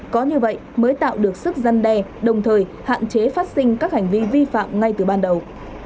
có như vậy mới tạo được sức dân đe đồng thời hạn chế phát sinh các hành vi vi phạm ngay từ ban đầu